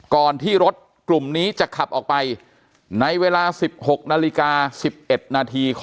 ก่อนที่รถกลุ่มนี้จะขับออกไปในเวลา๑๖๑๑ของเมื่อวานนี้